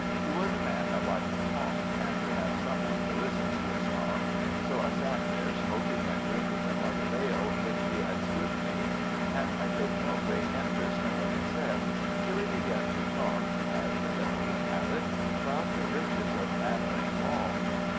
He was a man that liked to talk and to have some one to listen to his talk, so I sat there smoking and drinking a mug of ale which he had stood me; and I took no great interest in what he said until he began to talk (as the devil would have it) about the riches of Mannering Hall.